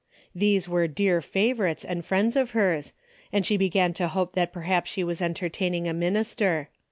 These were dear favorites and friends of hers, and she began to hope that perhaps she was entertaining a minister.